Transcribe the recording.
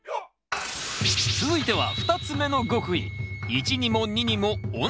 続いては２つ目の極意